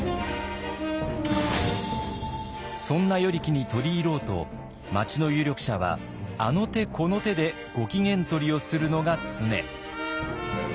そんな与力に取り入ろうと町の有力者はあの手この手でご機嫌取りをするのが常。